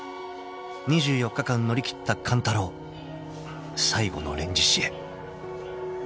［２４日間乗り切った勘太郎最後の『連獅子』へ］